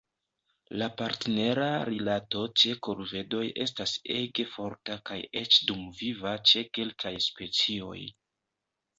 La partnera rilato ĉe korvedoj estas ege forta kaj eĉ dumviva ĉe kelkaj specioj.